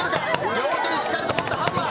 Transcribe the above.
両手にしっかり握ったハンマー。